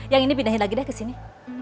yang ini pindahin lagi deh ke sini